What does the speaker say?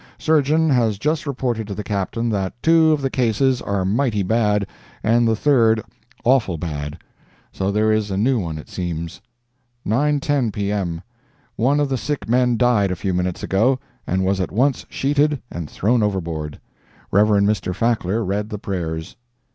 —Surgeon has just reported to the Captain that 'two of the cases are mighty bad, and the third awful bad.' So there is a new one, it seems." "9:10 P.M.—One of the sick men died a few minutes ago, and was at once sheeted and thrown overboard. Rev. Mr. Fackler read the prayers."